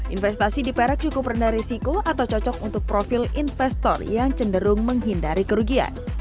investasi di perak cukup rendah risiko atau cocok untuk profil investor yang cenderung menghindari kerugian